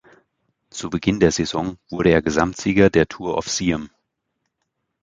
Zu Beginn der Saison wurde er Gesamtsieger der Tour of Siam.